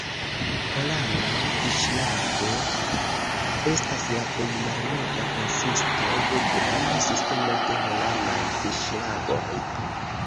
Holana fiŝlago estas la plej malnova konsisto de granda sistemo de Holanaj fiŝlagoj.